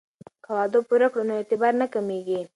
که وعده پوره کړو نو اعتبار نه کمیږي.